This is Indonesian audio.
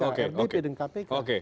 rdp dengan kpk